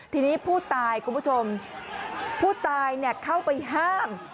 ทีนี้ผู้ตายคุณผู้ชมผู้ตายเข้าไปห้าม